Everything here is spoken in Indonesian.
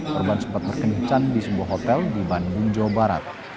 korban sempat berkenncan di sebuah hotel di bandung jawa barat